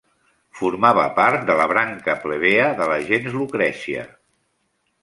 Formava part de la branca plebea de la gens Lucrècia.